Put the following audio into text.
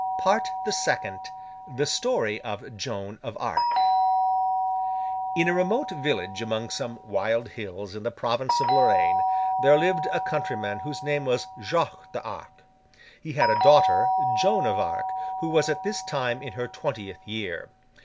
PART THE SECOND: THE STORY OF JOAN OF ARC In a remote village among some wild hills in the province of Lorraine, there lived a countryman whose name was Jacques d'Arc. He had a daughter, Joan of Arc, who was at this time in her twentieth year.